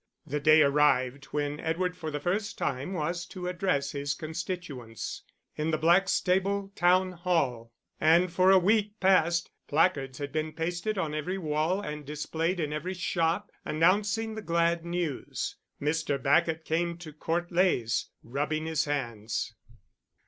The day arrived when Edward for the first time was to address his constituents, in the Blackstable town hall; and for a week past placards had been pasted on every wall and displayed in every shop, announcing the glad news. Mr. Bacot came to Court Leys, rubbing his hands.